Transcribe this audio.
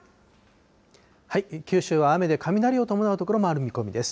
九州は雨で雷を伴う所もある見込みです。